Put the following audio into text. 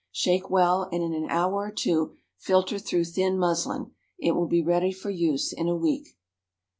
Shake well, and in an hour or two filter through thin muslin. It will be ready for use in a a week.